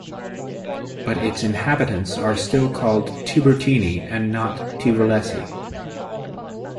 But its inhabitants are still called "Tiburtini" and not "Tivolesi".